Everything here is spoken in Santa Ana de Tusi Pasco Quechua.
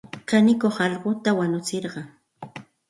Kanikuq allquta wanutsirqan.